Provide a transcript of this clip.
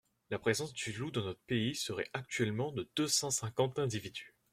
La présence du loup dans notre pays serait actuellement de deux cent cinquante individus.